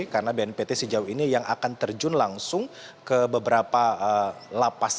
karena bnpt sejauh ini yang akan terjun langsung ke beberapa lapas